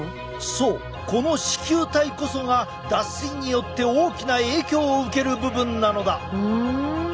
そうこの糸球体こそが脱水によって大きな影響を受ける部分なのだ。